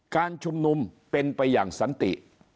การชุมนุมเป็นไปอย่างสันติ